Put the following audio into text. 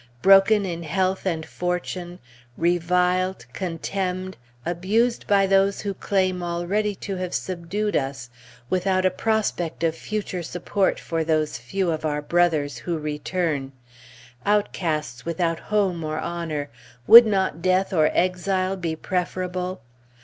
Broken in health and fortune, reviled, contemned, abused by those who claim already to have subdued us, without a prospect of future support for those few of our brothers who return; outcasts without home or honor, would not death or exile be preferable?